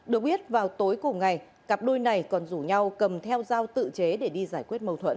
được biết vào tối cùng ngày cặp đôi này còn rủ nhau cầm theo dao tự chế để đi giải quyết mâu thuẫn